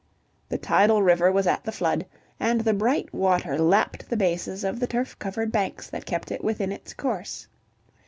The tidal river was at the flood, and the bright water lapped the bases of the turf covered banks that kept it within its course.